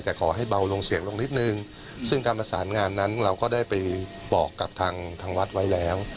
แต่ขอให้เบาลงเสียงลงนิดนึงซึ่งการประสานงานนั้นเราก็ได้ไปบอกกับทางทางวัดไว้แล้ว